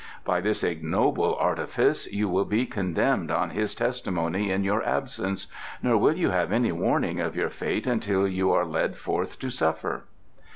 By this ignoble artifice you will be condemned on his testimony in your absence, nor will you have any warning of your fate until you are led forth to suffer."